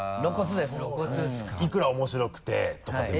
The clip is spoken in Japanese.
いくら面白くてとかでも？